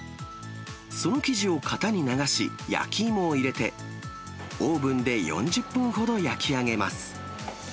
その生地を型に流し、焼き芋を入れて、オーブンで４０分ほど焼き上げます。